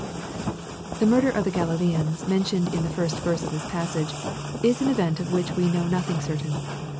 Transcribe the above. The murder of the Galileans, mentioned in the first verse of this passage, is an event of which we know nothing certain.